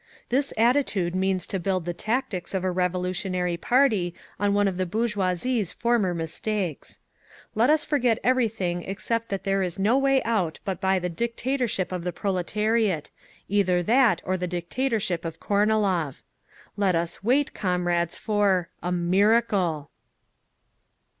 This attitude means to build the tactics of a revolutionary party on one of the bourgeoisie's former mistakes. "Let us forget everything except that there is no way out but by the dictatorship of the proletariat—either that or the dictatorship of Kornilov. "Let us wait, comrades, for—a miracle!"